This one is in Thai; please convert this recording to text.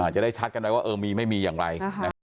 จะได้ชัดกันว่ามีไม่มีอย่างไร